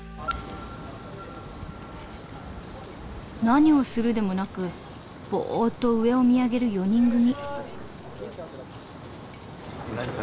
何をするでもなくボッと上を見上げる４人組。